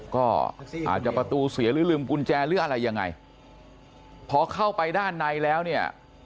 ก็อาจจะประตูเสียหรือลืมกุญแจหรืออะไรยังไงพอเข้าไปด้านในแล้วเนี่ย